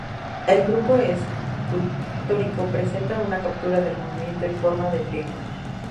El grupo escultórico presenta una captura del movimiento en forma de triángulo.